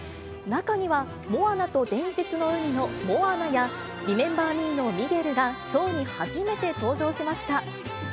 中には、モアナと伝説の海のモアナや、リメンバー・ミーのミゲルが、ショーに初めて登場しました。